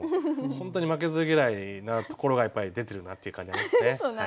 本当に負けず嫌いなところがやっぱり出てるなという感じありますね。